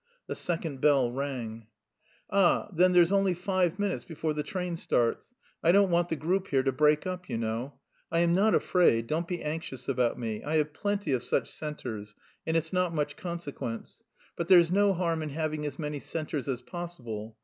The second bell rang. "Ah, then there's only five minutes before the train starts. I don't want the group here to break up, you know. I am not afraid; don't be anxious about me. I have plenty of such centres, and it's not much consequence; but there's no harm in having as many centres as possible.